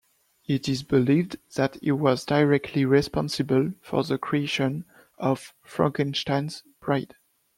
It is believed that he was directly responsible for the creation of "Frankenstein's Bride".